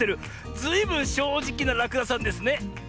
ずいぶんしょうじきならくださんですね。